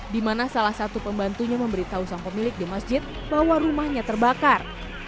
di mana salah satu pembantunya memberitahu sang pemilik di masjid bahwa rumahnya terbakar